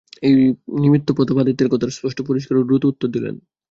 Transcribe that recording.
এই নিমিত্ত প্রতাপ আদিত্যের কথার স্পষ্ট, পরিষ্কার ও দ্রুত উত্তর দিলেন।